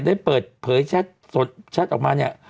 ได้เปิดเผยชัดสดชัดออกมาเนี่ย